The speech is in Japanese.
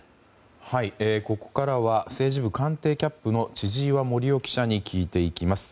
ここからは政治部官邸キャップの千々岩森生記者に聞いていきます。